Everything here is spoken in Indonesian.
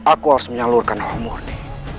aku harus menyalurkan hal murni